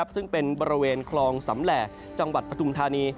ซึ่งเป็นบริเวณคลองสำแหล่จังหวัดปฐุมธานี